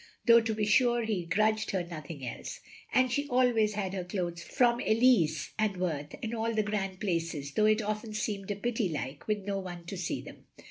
Though to be store he grudged her nothing else; and she always had her clothes from Elise, and Worth, and all the grand places, though it often seemed a pity like, with no one to see them.